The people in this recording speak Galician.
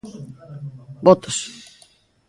Votos.